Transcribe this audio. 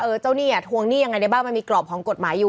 เออเจ้านี่อย่างไรบ้างมันมีกร่องกฎหมายอยู่